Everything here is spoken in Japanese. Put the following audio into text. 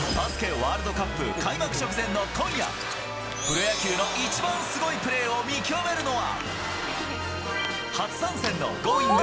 ワールドカップ開幕直前の今夜、プロ野球の一番すごいプレーを見極めるのは、初参戦のＧｏｉｎｇ！